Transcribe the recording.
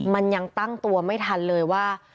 มันยังตั้งตัวไม่ทันเลยว่า